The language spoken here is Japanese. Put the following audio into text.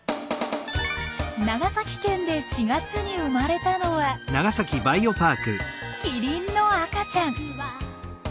長崎県で４月に生まれたのはキリンの赤ちゃん。